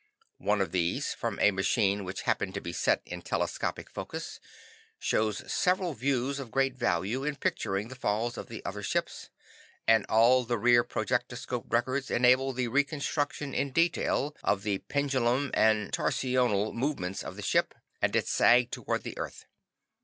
One of these, from a machine which happened to be set in telescopic focus, shows several views of great value in picturing the falls of the other ships, and all of the rear projectoscope records enable the reconstruction in detail of the pendulum and torsional movements of the ship, and its sag toward the earth.